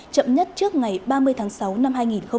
chậm nhất trước ngày ba mươi tháng sáu năm hai nghìn hai mươi